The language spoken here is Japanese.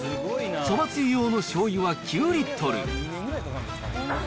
そばつゆ用のしょうゆは９リットル。